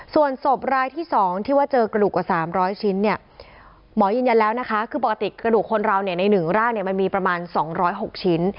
ส่วนศพรายที่๒ที่ว่าเจอกระดูกกว่า๓๐๐ชิ้นเนี่ยหมอยืนยันแล้วนะคะคือปกติกระดูกคนเราเนี่ยใน๑ร่างมันมีประมาณ๒๐๖ชิ้น